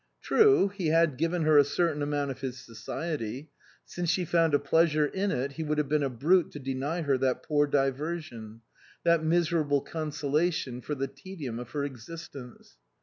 True, he had given her a certain amount of his society ; since she found a pleasure in it he would have been a brute to deny her that poor diversion, that miserable consolation for the tedium of her existence.